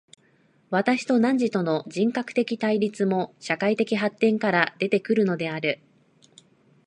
私と汝との人格的対立も、社会的発展から出て来るのである。